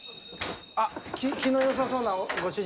あっ気の良さそうなご主人。